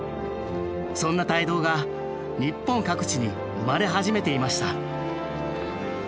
そんな胎動が日本各地に生まれ始めていました。